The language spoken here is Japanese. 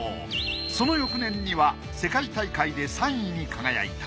その翌年には世界大会で３位に輝いた。